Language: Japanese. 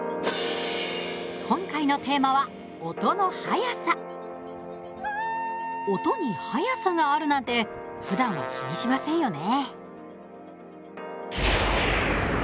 今回のテーマは音に速さがあるなんてふだんは気にしませんよね。